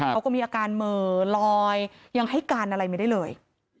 เขาก็มีอาการเหม่อลอยยังให้การอะไรไม่ได้เลย